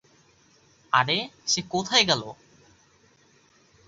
আরে, সে কোথায় গেলো?